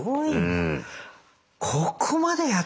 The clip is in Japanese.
うん。